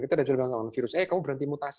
kita sudah bilang sama virus eh kamu berhenti mutasi